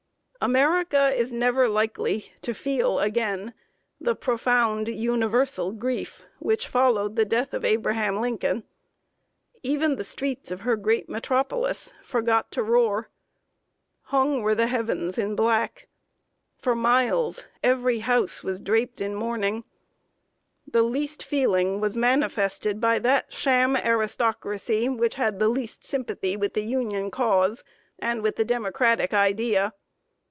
America is never likely to feel again the profound, universal grief which followed the death of Abraham Lincoln. Even the streets of her great Metropolis "forgot to roar." Hung were the heavens in black. For miles, every house was draped in mourning. The least feeling was manifested by that sham aristocracy, which had the least sympathy with the Union cause and with the Democratic Idea.